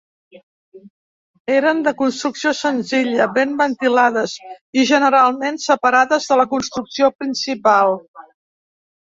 Eren de construcció senzilla, ben ventilades i generalment separades de la construcció principal.